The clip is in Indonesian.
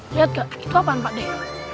lihat gak itu apaan pak dek